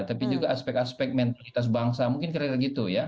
tapi juga aspek aspek mentalitas bangsa mungkin kira kira gitu ya